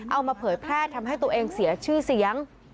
เอามาเผยแพร่ทำให้ตัวเองเสียชื่อเสียง